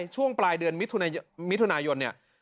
ช่วงปลายเดือนมิถุนายนเนี่ย